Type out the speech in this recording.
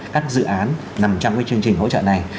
các dự án nằm trong chương trình hỗ trợ này